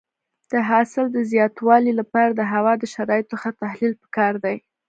د حاصل د زیاتوالي لپاره د هوا د شرایطو ښه تحلیل پکار دی.